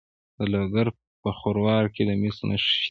د لوګر په خروار کې د مسو نښې شته.